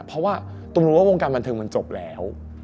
เพราะว่าตุ้มรู้ว่าวงการบันเทิงมันจบแล้ว